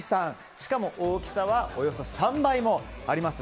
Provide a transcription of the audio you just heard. しかも大きさはおよそ３倍もあります。